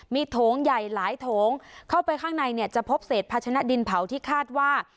มีโถงใหญ่หลายโถงเข้าไปข้างในเนี่ยจะพบเศษภาชนะดินเผาที่คาดว่า